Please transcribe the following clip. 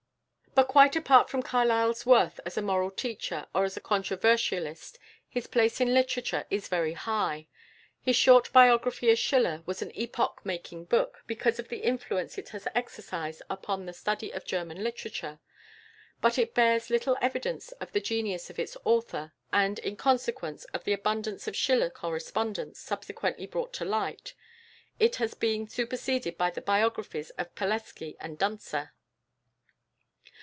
But quite apart from Carlyle's worth as a moral teacher or as a controversialist, his place in literature is very high. His short biography of Schiller was an epoch making book, because of the influence it has exercised upon the study of German literature: but it bears little evidence of the genius of its author, and, in consequence of the abundance of Schiller correspondence subsequently brought to light, it has been superseded by the biographies of Palleskie and Duntzer.